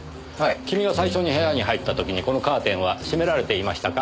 君が最初に部屋に入った時にこのカーテンは閉められていましたか？